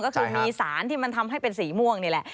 ก็คือมีสารที่มันทำให้เป็นสีม่วงนี่แหละ